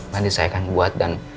nanti saya akan buat dan